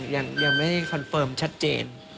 ยังไม่คอนเฟิร์มชัดเจน